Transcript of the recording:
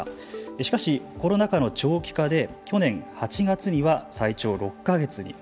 しかしコロナ禍の長期化で去年８月には最長６か月に。